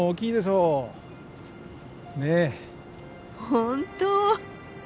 本当！